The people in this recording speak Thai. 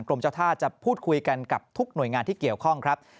กรมเจ้าท่าจะพูดคุยกันกับทุกหน่วยงานที่เกี่ยวข้องครับ